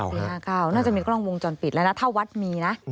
ปี๕๙น่าจะมีกล้องวงจรปิดแล้วนะถ้าวัดมีนะ